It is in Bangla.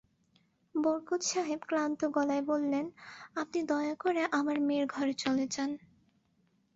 বরকত সাহেব ক্লান্ত গলায় বললেন, আপনি দয়া করে আমার মেয়ের ঘরে চলে যান।